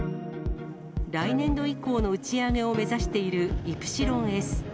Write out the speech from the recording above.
来年度以降の打ち上げを目指しているイプシロンＳ。